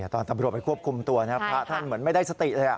ตอนตำรวจไปควบคุมตัวพระท่านเหมือนไม่ได้สติเลย